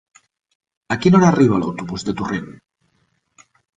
A quina hora arriba l'autobús de Torrent?